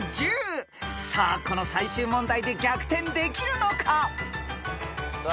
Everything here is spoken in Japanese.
［さあこの最終問題で逆転できるのか？］